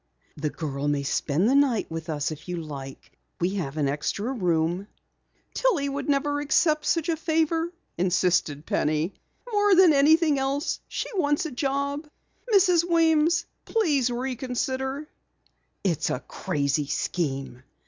"The girl may spend the night with us, if you like. We have an extra room." "Tillie would never accept such a favor," insisted Penny. "More than anything else she wants a job. Mrs. Weems, please reconsider " "It's a crazy scheme!"